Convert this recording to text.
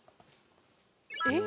えっ？